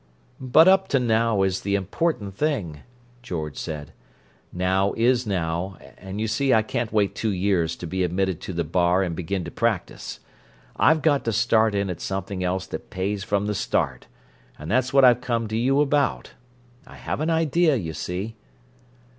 "But 'up to now' is the important thing," George said. "Now is now—and you see I can't wait two years to be admitted to the bar and begin to practice. I've got to start in at something else that pays from the start, and that's what I've come to you about. I have an idea, you see."